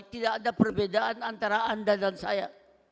tidak ada perbedaan antara anda dan saya